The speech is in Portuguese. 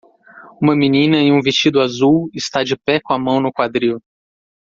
Uma menina em um vestido azul está de pé com a mão no quadril.